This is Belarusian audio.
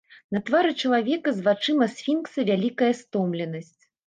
На твары чалавека з вачыма сфінкса вялікая стомленасць.